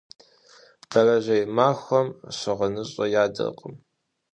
Бэрэжьей махуэм щыгъыныщӏэ ядыркъым.